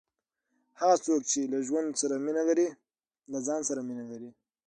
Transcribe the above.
هغه څوک، چي له ژوند سره مینه لري، له ځان سره مینه لري.